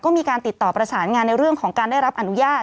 ก็มีการติดต่อประสานงานในเรื่องของการได้รับอนุญาต